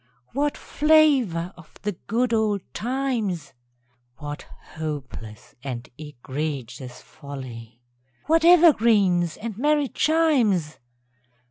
_) What flavour of the good old times! (What hopeless and egregious folly!) What evergreens and merry chimes!